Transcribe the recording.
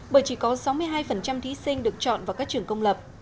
bởi chỉ có sáu mươi hai thí sinh được chọn vào các trường công lập